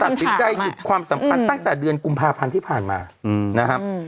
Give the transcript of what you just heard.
ตัดสินใจหยุดความสัมพันธ์ตั้งแต่เดือนกุมภาพันธ์ที่ผ่านมานะครับ